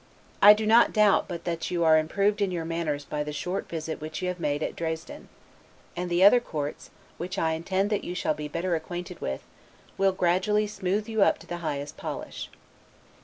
I do not doubt but that you are improved in your manners by the short visit which you have made at Dresden; and the other courts, which I intend that you shall be better acquainted with, will gradually smooth you up to the highest polish.